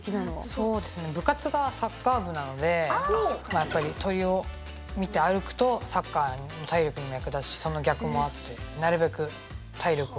そうですね部活がサッカー部なのでまあやっぱり鳥を見て歩くとサッカーの体力にも役立つしその逆もあってなるべく体力はつけて歩くようにしてます。